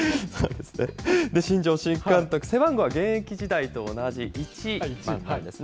新庄新監督、背番号は現役時代と同じ１番なんですね。